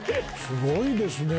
すごいですね。